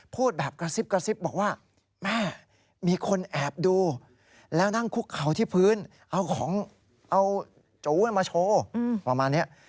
พูดแบบกระซิบกระซิบบอกว่าแม่มีคนแอบดูแล้วนั่งคุกเขาที่พื้นเอาของเอาจูมาโชว์ประมาณนี้